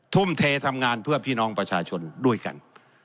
ทุ่มเททำงานเพื่อพี่น้องประชาชนด้วยกัน